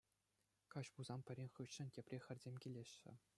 Каҫ пулсан пӗрин хыҫҫӑн тепри хӗрсем килеҫҫӗ.